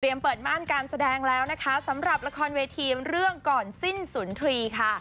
เปิดม่านการแสดงแล้วนะคะสำหรับละครเวทีเรื่องก่อนสิ้นสุดทรีค่ะ